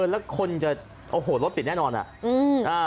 และคนจะรอบติดแน่นอนได้